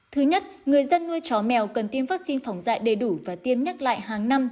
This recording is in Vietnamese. thứ nhất người dân nuôi chó mèo cần tiêm vaccine phòng dạy đầy đủ và tiêm nhắc lại hàng năm